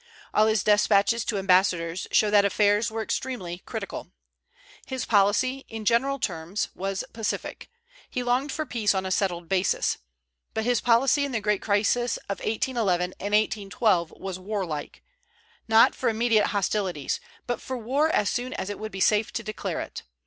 All his despatches to ambassadors show that affairs were extremely critical. His policy, in general terms, was pacific; he longed for peace on a settled basis. But his policy in the great crisis of 1811 and 1812 was warlike, not for immediate hostilities, but for war as soon as it would be safe to declare it.